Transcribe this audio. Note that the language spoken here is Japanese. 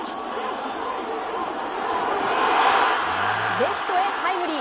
レフトへタイムリー。